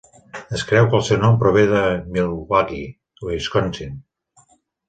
Es creu que el seu nom prové de Milwaukee, Wisconsin.